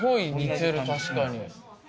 確かに。